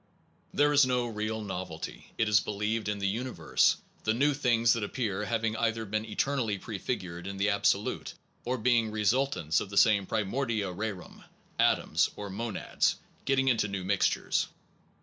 There is no real novelty, it is believed, in the universe, Unity of the new things that appear having either been eternally prefigured in the absolute, or being results of the same pri mordia rerum, atoms, or monads, getting into new mixtures.